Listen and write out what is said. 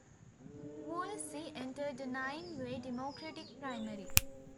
Woolsey entered a nine-way Democratic primary.